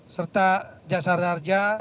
serta jasa reharja